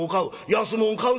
安物買う